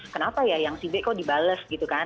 kenapa ya yang si b kok dibales gitu kan